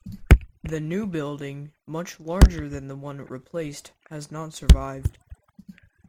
The new building, much larger than the one it replaced, has not survived.